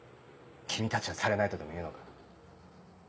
君たちはされないとでもいうのか？